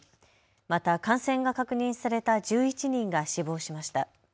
また感染が確認された１１人が死亡しました。